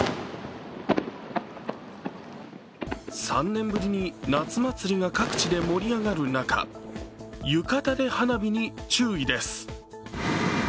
３年ぶりに夏祭りが各地で盛り上がる中浴衣で花火に注意です。